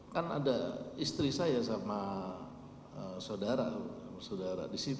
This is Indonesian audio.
kan ada istri saya sama saudara sama saudara disitu